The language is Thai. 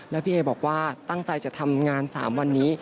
แล้วพี่เอบอกว่าตั้งใจจะทำงาน๓วันนี้